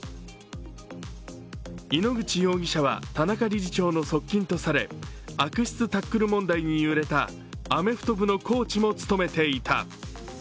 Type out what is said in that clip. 井ノ口容疑者は田中理事長の側近とされ、悪質タックル問題に揺れたアメフト部のコーチも務めていた。